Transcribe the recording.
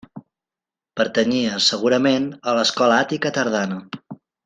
Pertanyia segurament a l'escola àtica tardana.